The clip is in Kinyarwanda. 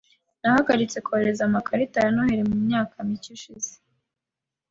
Nahagaritse kohereza amakarita ya Noheri mu myaka mike ishize .